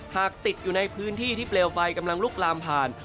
ติดอยู่ในพื้นที่ที่เปลวไฟกำลังลุกลามผ่าน